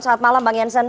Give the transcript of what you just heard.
selamat malam bang janssen